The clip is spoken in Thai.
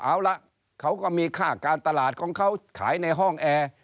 เอาละเขาก็มีค่าการตลาดของเขาขายในห้องแอร์